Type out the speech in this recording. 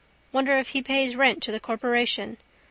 Wonder if he pays rent to the corporation.